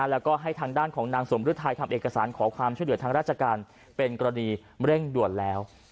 แล้วก็ให้ทางด้านของนางสมฤทัยทำเอกสารขอความช่วยเหลือทางราชการเป็นกรณีเร่งด่วนแล้ว